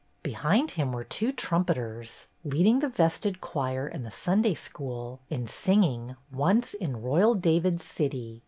Behind him were two trumpeters, leading the vested choir and the Sunday school in singing "Once in Royal David's City."